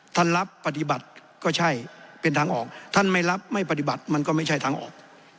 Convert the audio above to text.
ท่านรับปฏิบัติก็ใช่เป็นทางออกท่านไม่รับไม่ปฏิบัติมันก็ไม่ใช่ทางออก